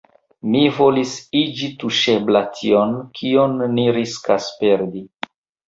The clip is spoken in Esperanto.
Mi volis igi tuŝebla tion, kion ni riskas perdi.